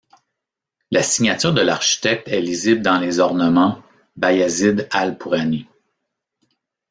La signature de l'architecte est lisible dans les ornements, Bayazide al-Pourani.